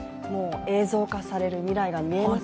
映像化される未来が見えますね。